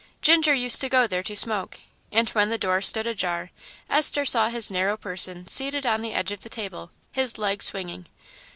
Ginger used to go there to smoke; and when the door stood ajar Esther saw his narrow person seated on the edge of the table, his leg swinging.